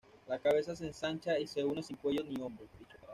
La cabeza se ensancha y se une sin cuello ni hombros.